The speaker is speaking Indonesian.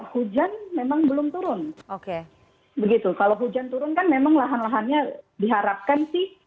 hujan memang belum turun oke begitu kalau hujan turun kan memang lahan lahannya diharapkan sih